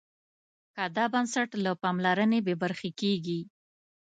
که دا بنسټ له پاملرنې بې برخې کېږي.